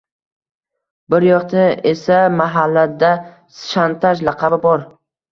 Bir yoqda esa mahallada shantaj laqabi bor.